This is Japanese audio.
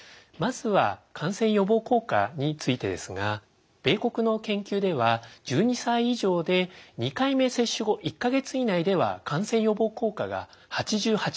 まずは感染予防効果についてですが米国の研究では１２歳以上で２回目接種後１か月以内では感染予防効果が８８％。